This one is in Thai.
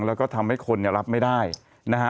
แล้วก็ทำให้คนเนี่ยรับไม่ได้นะฮะ